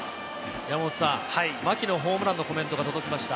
牧のホームランのコメントが届きました。